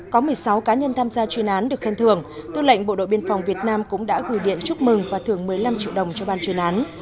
có một mươi sáu cá nhân tham gia chuyên án được khen thưởng tư lệnh bộ đội biên phòng việt nam cũng đã gửi điện chúc mừng và thưởng một mươi năm triệu đồng cho ban chuyên án